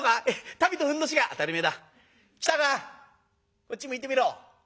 こっち向いてみろ。